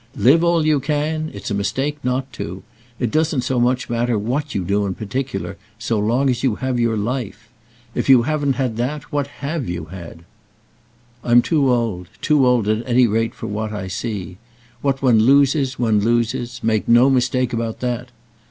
"Live all you can; it's a mistake not to. It doesn't so much matter what you do in particular so long as you have your life. If you haven't had that what have you had? I'm too old—too old at any rate for what I see. What one loses one loses; make no mistake about that.